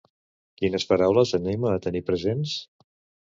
Quines paraules anima a tenir presents?